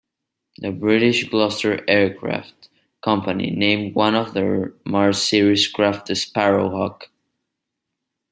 The British Gloster Aircraft Company named one of their Mars series craft the Sparrowhawk.